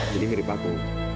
jadi mirip aku